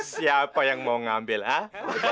siapa yang mau ngambil ah